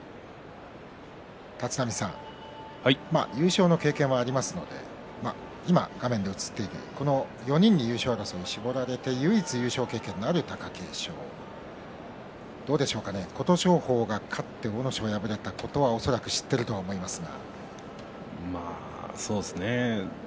立浪さん優勝の経験はありますので今、画面で映っている４人に優勝争いが絞られて唯一、優勝経験のある貴景勝琴勝峰がかえって阿武咲が敗れたことを恐らく知っていると思いますが。